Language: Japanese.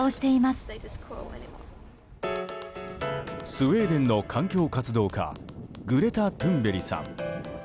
スウェーデンの環境活動家グレタ・トゥーンベリさん。